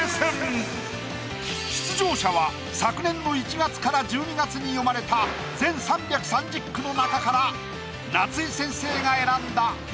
出場者は昨年の１月から１２月に詠まれた全３３０句の中から。